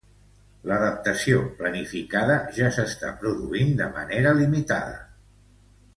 L'adaptació planificada ja s'està produint de manera limitada.